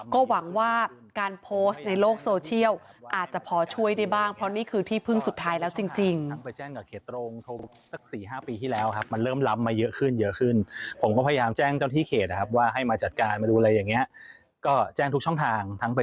ก็หวังว่าการโพสต์ในโลกโซเชียลอาจจะพอช่วยได้บ้างเพราะนี่คือที่พึ่งสุดท้ายแล้วจริง